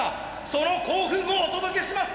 「その興奮をお届けします」。